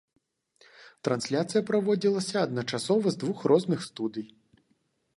Трансляцыя праводзілася адначасова з двух розных студый.